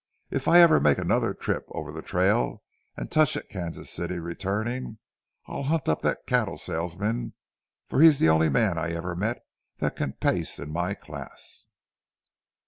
If ever I make another trip over the trail, and touch at Kansas City returning, I'll hunt up that cattle salesman, for he's the only man I ever met that can pace in my class."